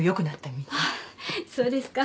そうですか。